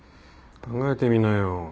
考えてみなよ。